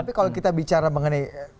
tapi kalau kita bicara mengenai